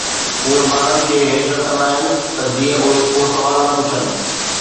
اهي ٻارن کي هيٺ رکندا آهن ته جيئن اهي ڪو سوال نه پڇن.